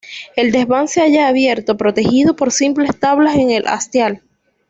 El desván se halla abierto, protegido por simples tablas en el hastial.